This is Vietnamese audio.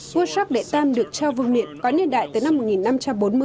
vua jacques de tam được trao vương miệng có nền đại tới năm một nghìn năm trăm bốn mươi